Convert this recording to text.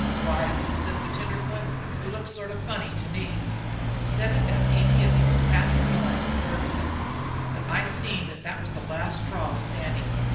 "'Why,' says the tenderfoot, 'you look sort of funny to me.' "He said it as easy as if he was passin' the morning with Ferguson, but I seen that it was the last straw with Sandy.